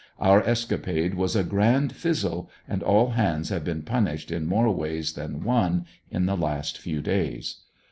Our escapade was a grand fizzle, and all hands have been punished in more ways than one in the last few days.